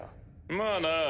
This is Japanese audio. まあな。